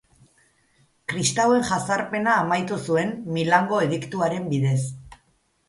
Kristauen jazarpena amaitu zuen Milango Ediktuaren bidez.